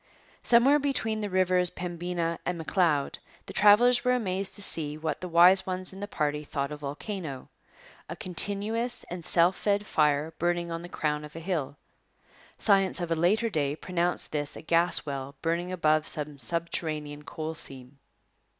Somewhere between the rivers Pembina and M'Leod the travellers were amazed to see what the wise ones in the party thought a volcano a continuous and self fed fire burning on the crown of a hill. Science of a later day pronounced this a gas well burning above some subterranean coal seam.